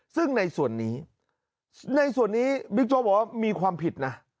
ซึ่งในส่วนนี้ในส่วนนี้บิ๊กโจ๊กบอกว่ามีความผิดนะ